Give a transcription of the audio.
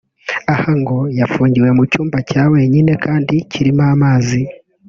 Aha ngo yafungiwe mu cyumba cya wenyine kandi kirimo amazi